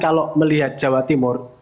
kalau melihat jawa timur